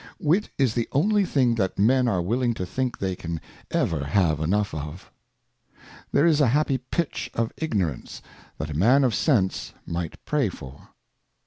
Wit is the only thing that Men are willing to think they can ever have enough of. There is a happy Pitch of Ignorance that a Man of Sense might pray for.